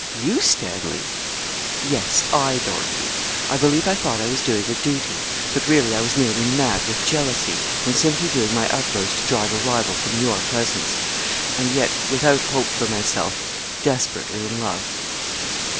'You, Stanley!' 'Yes, I, Dorkie. I believe I thought I was doing a duty; but really I was nearly mad with jealousy, and simply doing my utmost to drive a rival from your presence. And yet, without hope for myself, desperately in love.'